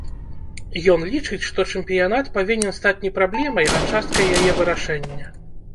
Ён лічыць, што чэмпіянат павінен стаць не праблемай, а часткай яе вырашэння.